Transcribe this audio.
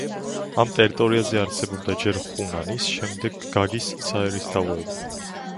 ამ ტერიტორიაზე არსებობდა ჯერ ხუნანის, შემდეგ გაგის საერისთავოები.